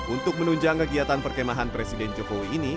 untuk menunjang kegiatan perkemahan presiden jokowi ini